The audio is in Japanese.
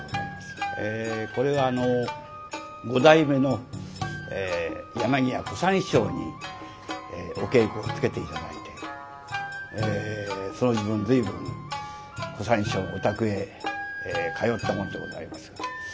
これは五代目の柳家小さん師匠にお稽古をつけて頂いてその時分随分小さん師匠のお宅へ通ったもんでございますが。